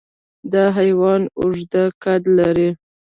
دا حیوان اوږده قد لري.